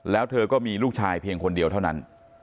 แล้วเธอก็มีลูกชายเพียงคนเดียวเท่านั้น